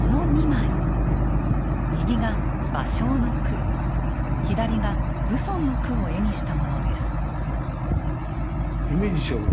右が芭蕉の句左が蕪村の句を絵にしたものです。